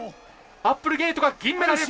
アップルゲイトが銀メダル！